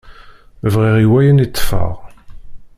Briɣ i wayen i ṭṭfeɣ.